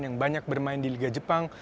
yang banyak bermain di liga jepang